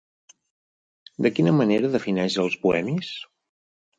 De quina manera defineix els bohemis?